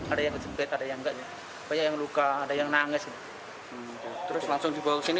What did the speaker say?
ada yang sepet ada yang enggak